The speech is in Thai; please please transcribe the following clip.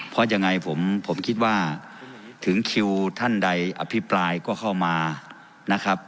เพราะยังไงผมคิดว่าถึงคิวท่านใดอภิปรายก็เข้ามานะครับ